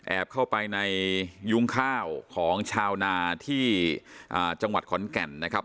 เข้าไปในยุ้งข้าวของชาวนาที่จังหวัดขอนแก่นนะครับ